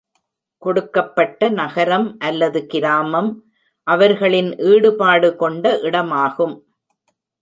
கொடுக்கப்பட்ட நகரம் அல்லது கிராமம் அவர்களின் ஈடுபாடு கொண்ட இடமாகும்.